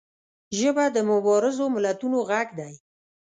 ژبه د مبارزو ملتونو غږ دی